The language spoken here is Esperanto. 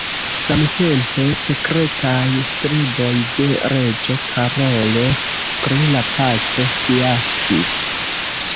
Samtempe sekretaj streboj de reĝo Karolo pri la paco fiaskis.